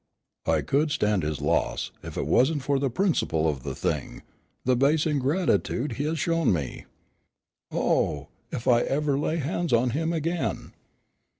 I could stand his loss, if it wasn't for the principle of the thing, the base ingratitude he has shown me. Oh, if I ever lay hands on him again!"